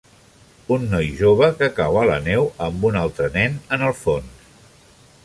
un noi jove que cau a la neu amb un altre nen en el fons